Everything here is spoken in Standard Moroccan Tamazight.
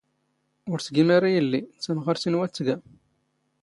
ⵓⵔ ⵜⴳⵉ ⵎⴰⵔⵉ ⵉⵍⵍⵉ, ⵜⴰⵎⵖⴰⵔⵜ ⵉⵏⵓ ⴰⴷ ⵜⴳⴰ.